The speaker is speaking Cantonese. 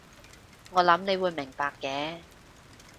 我諗你會明白嘅